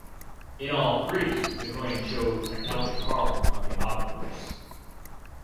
In all three, the coin showed a Celtic harp on the obverse.